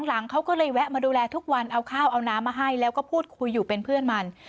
หลังเขาก็เลยแวะมาดูแลทุกวันเอาข้าวเอาน้ำมาให้แล้วก็พูดคุยอยู่เป็นเพื่อนมัน